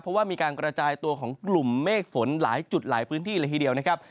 เพราะว่ามีการกระจายตัวของกลุ่มเมฆฝนหลายจุดหลายพื้นที่เลยทีเดียวนะครับ